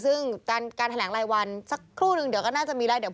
ซึ่งการแถลงรายวันสักครู่นึงก็น่าจะมีเลย